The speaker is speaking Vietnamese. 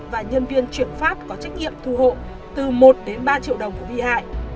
và nhân viên chuyển pháp có trách nhiệm thu hộ từ một đến ba triệu đồng của bị hại